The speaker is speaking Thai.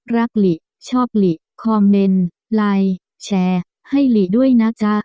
หลีชอบหลีคอมเมนต์ไลน์แชร์ให้หลีด้วยนะจ๊ะ